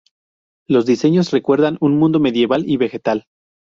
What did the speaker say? Los diseños recuerdan un mundo medieval y vegetal.